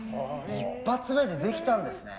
一発目でできたんですね。